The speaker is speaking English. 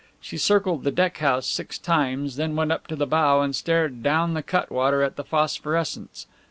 She circled the deck house six times, then went up to the bow and stared down the cutwater at the phosphorescence.